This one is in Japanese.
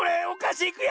おかしい！